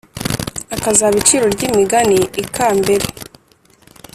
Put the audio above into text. Akazaba iciro ry'imigani I Kambere